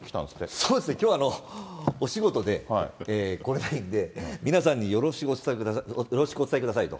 そうですね、きょう、お仕事で、来ないんで、皆さんによろしくお伝えくださいと。